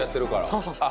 そうそうそう。